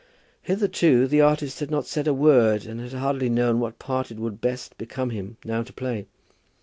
Hitherto the artist had not said a word, and had hardly known what part it would best become him now to play.